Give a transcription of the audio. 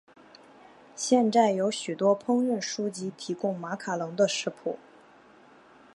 现在有许多烹饪书籍提供马卡龙的食谱。